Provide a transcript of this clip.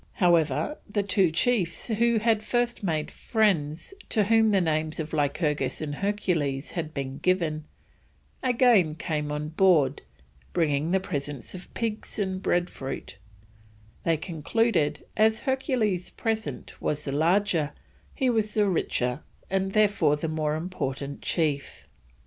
However, the two chiefs who had first made friends, to whom the names of Lycurgus and Hercules had been given, again came on board, bringing presents of pigs and bread fruit; they concluded as Hercules's present was the larger, he was the richer and therefore the more important chief.